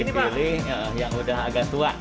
yang di pilih yang udah agak tua